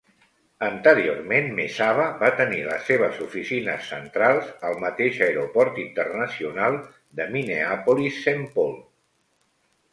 Anteriorment, Mesaba va tenir les seves oficines centrals al mateix aeroport internacional de Minneapolis-Saint Paul.